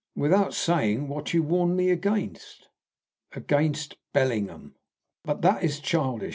"Without saying what you warn me against." "Against Bellingham." "But that is childish.